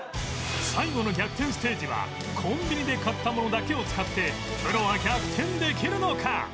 最後の逆転ステージはコンビニで買ったものだけを使ってプロは逆転できるのか？